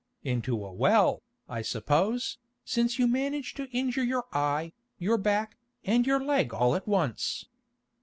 "Into a well, I suppose, since you managed to injure your eye, your back, and your leg all at once.